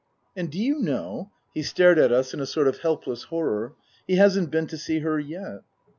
" And do you know " (he stared at us in a sort of helpless horror) " he hasn't been to see her yet."